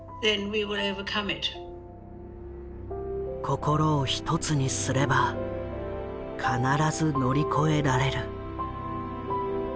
心を一つにすれば必ず乗り越えられる。